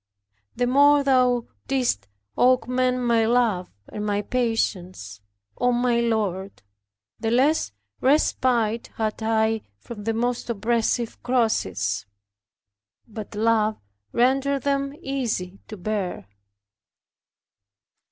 The more Thou didst augment my love, and my patience, O my Lord, the less respite had I from the most oppressive crosses; but love rendered them easy to bear.